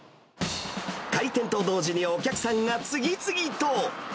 開店と同時にお客さんが次々と。